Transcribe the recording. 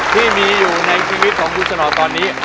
ที่มีอยู่ในชีวิตของคุณสนอตอนนี้